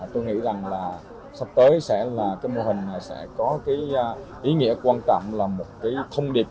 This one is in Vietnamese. tôi nghĩ rằng là sắp tới sẽ là cái mô hình sẽ có cái ý nghĩa quan trọng là một cái thông điệp